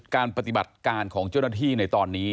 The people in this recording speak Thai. การปฏิบัติการของเจ้าหน้าที่ในตอนนี้